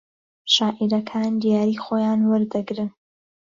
شاعیرەکان دیاریی خۆیان وەردەگرن